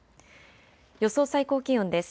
予想最高気温です。